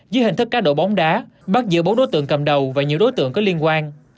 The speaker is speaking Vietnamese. dưới hình thức cá độ bóng đá bắt giữ bốn đối tượng cầm đầu và nhiều đối tượng có liên quan